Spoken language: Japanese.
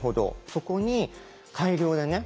そこに改良でね